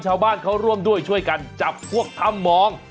ชาวบ้านเขาร่วมด้วยช่วยกันจับพวกถ้ำมอง